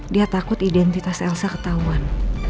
dia takut identitas elsa ketahuan